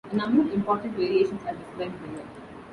A number of important variations are described below.